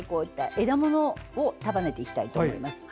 枝物を束ねていきたいと思います。